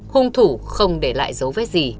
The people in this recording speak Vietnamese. hùng thủ không để lại dấu vết gì